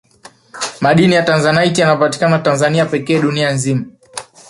madini ya tanzanite yanapatikana tanzania pekee dunia nzima